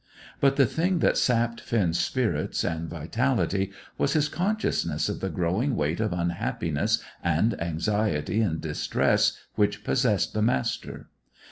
But the thing that sapped Finn's spirits and vitality was his consciousness of the growing weight of unhappiness and anxiety and distress which possessed the Master.